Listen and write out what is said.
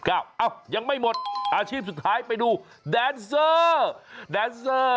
ยังไม่หมดอาชีพสุดท้ายไปดูแดนเซอร์แดนเซอร์